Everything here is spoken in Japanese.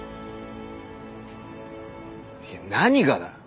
いや何がだ。